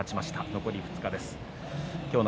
残り２日です。